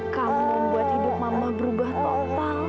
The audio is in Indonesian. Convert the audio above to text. kamu membuat hidup mama berubah total